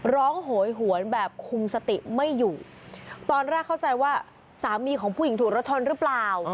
โหยหวนแบบคุมสติไม่อยู่ตอนแรกเข้าใจว่าสามีของผู้หญิงถูกรถชนหรือเปล่า